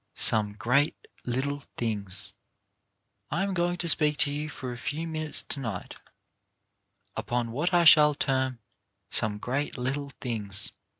SOME GREAT LITTLE THINGS I Am going to speak to you for a few minutes to night upon what I shall term " Some Great Little Things."